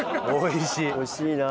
おいしいな。